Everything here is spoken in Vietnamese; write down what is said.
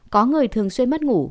có người thường xuyên mất ngủ